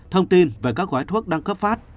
thông tin về các gói thuốc đang cấp phát